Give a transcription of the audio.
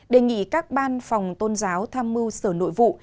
đề nghị các ban phòng tôn giáo tham mưu sở nội vụ